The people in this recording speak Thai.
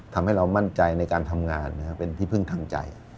ทำให้เรามั่นใจในการทำงานเป็นที่พึ่งทางใจ